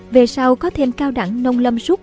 về sau có thêm cao đẳng nông lâm rút